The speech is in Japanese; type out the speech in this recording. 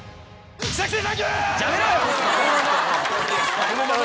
やめろよ！